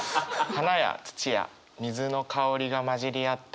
「花や土や水の香りがまじりあった」。